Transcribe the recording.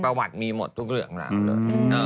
ประวัติมีหมดทุกเรื่องหลัง